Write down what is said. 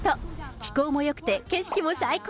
気候もよくて景色も最高！